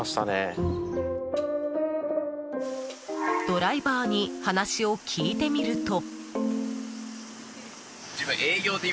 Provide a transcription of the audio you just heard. ドライバーに話を聞いてみると。